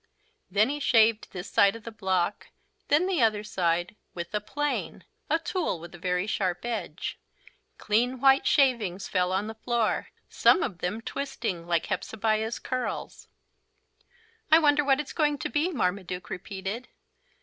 Then he shaved this side of the block, then the other side, with a plane, a tool with a very sharp edge. Clean white shavings fell on the floor, some of them twisting like Hepzebiah's curls. "I wonder what it's going to be," Marmaduke repeated.